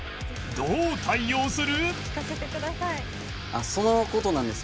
どう対応する？